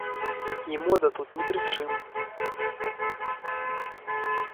І мода тут ні пры чым!